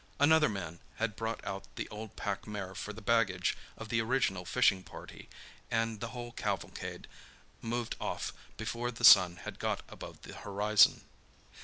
Another man had brought out the old pack mare for the baggage of the original fishing party, and the whole cavalcade moved off before the sun had got above the horizon.